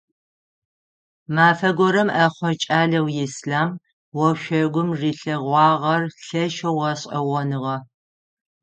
Мафэ горэм ӏэхъо кӏалэу Ислъам ошъогум рилъэгъуагъэр лъэшэу гъэшӏэгъоныгъэ.